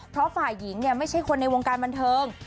เพราะฝ่ายหญิงไม่ใช่คนในวงการบันเทิง